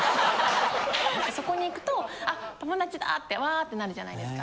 そこに行くと「あ友達だ」ってわってなるじゃないですか。